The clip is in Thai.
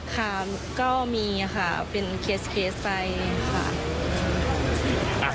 ค่ะก็มีค่ะเป็นเคสเคสไปค่ะ